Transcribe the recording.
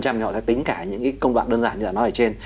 thì họ sẽ tính cả những công đoạn đơn giản như là nói ở trên